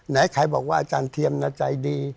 ไหนใครบอกว่าอาจารย์เทียมใจดี